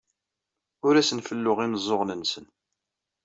Ur asen-felluɣ imeẓẓuɣen-nsen.